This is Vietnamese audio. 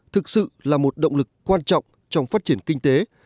thực sự là một động lực quan trọng trong phát triển kinh tế